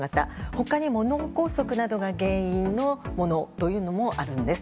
他にも、脳梗塞などが原因のものというのもあるんです。